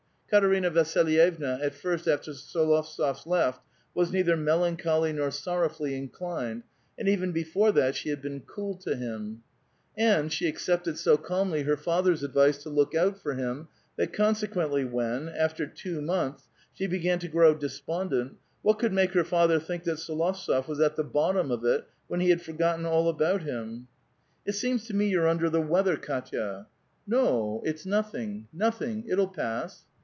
Katerina Vasilyevna, at first after S6lovtsof left, was neither melancholy nor sorrowfully inclined, and even before that she had been cool to him ; and she accei)ted so calmly her father's advice to look out for him, that consequently when, after too months, she began to grow despondent, what could make her father think that S61ovtsof was at the bottom of it, when he had forgotten all about him? ''It seems to me you're under the weather, Kdtya." A VITAL QUESTION. 407 *'No; it's nothing — uotliing ; it'll pass."